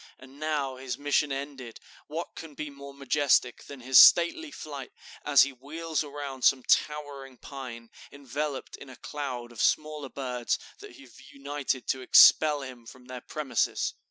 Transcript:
And now, his mission ended, what can be more majestic than his stately flight, as he wheels around some towering pine, enveloped in a cloud of smaller birds that have united to expel him from their premises."